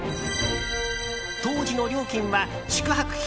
当時の料金は宿泊費